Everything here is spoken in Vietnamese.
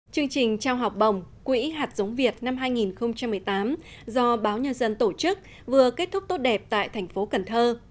chương trình trao học bổng quỹ hạt giống việt năm hai nghìn một mươi tám do báo nhân dân tổ chức vừa kết thúc tốt đẹp tại thành phố cần thơ